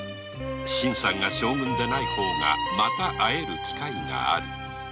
新さんが将軍でない方がまた会える機会がある。